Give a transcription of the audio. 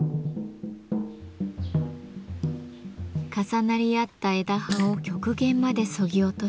重なり合った枝葉を極限までそぎ落とし